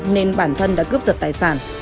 nên bản thân đã cướp giật tài sản